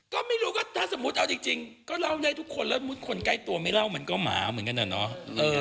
ก็ไม่รู้ก็ถ้าสมมุติเอาจริงก็เล่าได้ทุกคนแล้วคนใกล้ตัวไม่เล่ามันก็หมาเหมือนกันนะเนาะ